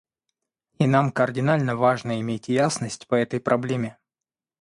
И нам кардинально важно иметь ясность по этой проблеме.